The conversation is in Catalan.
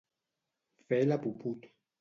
Fer la puput.